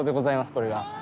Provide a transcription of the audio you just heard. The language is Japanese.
これが。